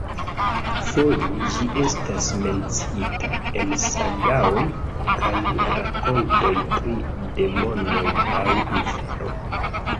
Foje ĝi estas menciita en sagaoj kaj rakontoj pri demonoj aŭ infero.